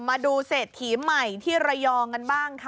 มาดูเศรษฐีใหม่ที่ระยองกันบ้างค่ะ